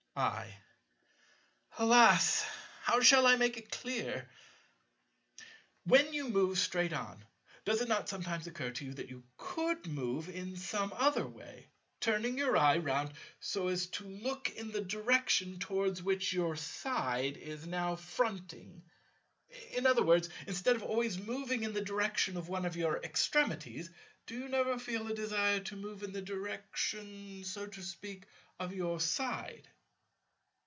I. Alas! How shall I make it clear? When you move straight on, does it not sometimes occur to you that you could move in some other way, turning your eye round so as to look in the direction towards which your side is now fronting? In other words, instead of always moving in the direction of one of your extremities, do you never feel a desire to move in the direction, so to speak, of your side?